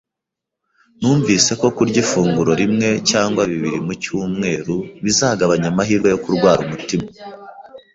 Numvise ko kurya ifunguro rimwe cyangwa bibiri mu cyumweru bizagabanya amahirwe yo kurwara umutima